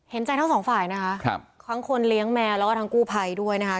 ใจทั้งสองฝ่ายนะคะทั้งคนเลี้ยงแมวแล้วก็ทั้งกู้ภัยด้วยนะคะ